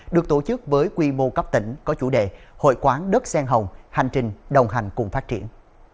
được tổ chức với quy mô cấp tỉnh có chủ đề hội quán đất sen hồng hành trình đồng hành cùng phát triển